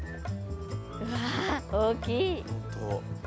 うわ大きい。